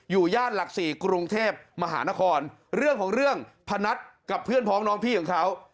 ย่านหลัก๔กรุงเทพมหานครเรื่องของเรื่องพนัทกับเพื่อนพ้องน้องพี่ของเขา